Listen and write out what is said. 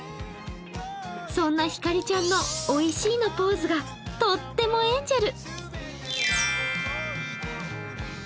そんなひかりちゃんのおいしいのポーズがとってもエンジェル。